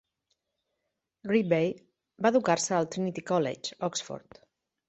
Reibey va educar-se al Trinity College, Oxford.